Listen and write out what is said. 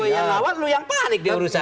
timbul yang lawat lu yang panik diurusan